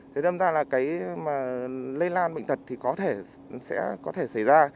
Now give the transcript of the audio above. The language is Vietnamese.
thì đâm ra là cái lây lan bệnh tật thì có thể xảy ra